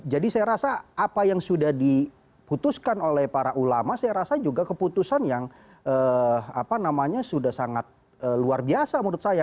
jadi saya rasa apa yang sudah diputuskan oleh para ulama saya rasa juga keputusan yang sudah sangat luar biasa menurut saya